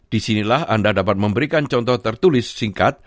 disinilah anda dapat memberikan contoh tertulis singkat